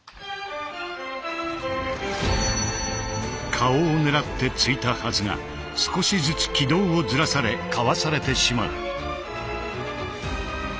顔を狙って突いたはずが少しずつ軌道をずらされかわされてしまう。